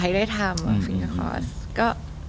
ใครได้ทำ